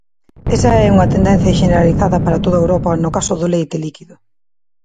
Esa é unha tendencia xeneralizada para toda Europa no caso do leite líquido.